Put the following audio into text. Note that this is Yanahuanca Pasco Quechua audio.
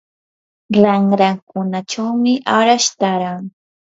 ranrakunachawmi arash taaran.